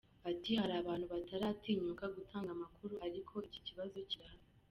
Ati"Hari abantu bataratinyuka gutanga amakuru, ariko iki kibazo kirahari.